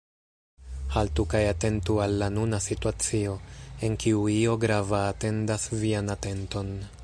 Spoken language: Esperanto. Haltu kaj atentu al la nuna situacio, en kiu io grava atendas vian atenton.